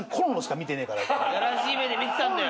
いやらしい目で見てたんだよ。